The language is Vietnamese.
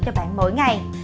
cho bạn mỗi ngày